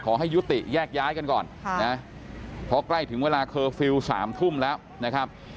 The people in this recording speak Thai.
ขอให้ยุติแยกย้ายกันก่อนนะฮะพอใกล้ถึงเวลาสามทุ่มแล้วนะครับ